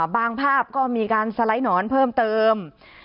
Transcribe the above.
ภาพก็มีการสไลด์หนอนเพิ่มเติม